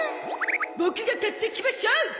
ボクが買ってきましょう！